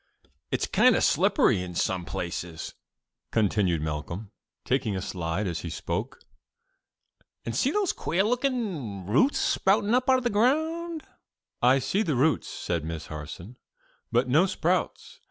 '" "It's kind of slippery in some places," continued Malcolm, taking a slide as he spoke. "And see those queer looking roots sprouting out of the ground!" "I see the roots," said Miss Harson, "but no sprouts.